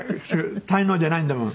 滞納じゃないんだもん。